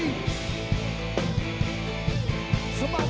indonesia satu hati